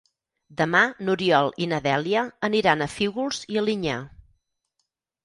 Demà n'Oriol i na Dèlia aniran a Fígols i Alinyà.